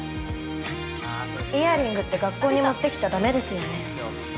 ◆イヤリングって学校に持ってきちゃだめですよね。